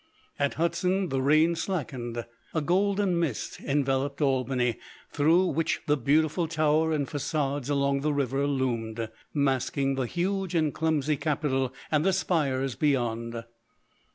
At Hudson the rain slackened. A golden mist enveloped Albany, through which the beautiful tower and façades along the river loomed, masking the huge and clumsy Capitol and the spires beyond.